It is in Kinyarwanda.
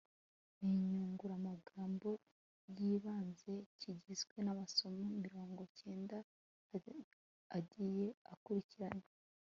n'inyunguramagambo by'ibanze. kigizwe n'amasomo mirongo kenda agiye akurikiranye